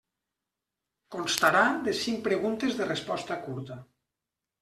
Constarà de cinc preguntes de resposta curta.